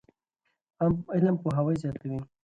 علم پوهاوی زیاتوي.